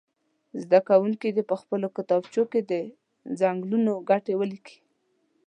زده کوونکي دې په خپلو کتابچو کې د څنګلونو ګټې ولیکي.